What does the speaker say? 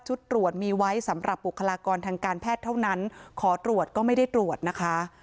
ตรวจมีไว้สำหรับบุคลากรทางการแพทย์เท่านั้นขอตรวจก็ไม่ได้ตรวจนะคะ